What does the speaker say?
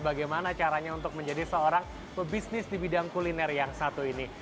bagaimana caranya untuk menjadi seorang pebisnis di bidang kuliner yang satu ini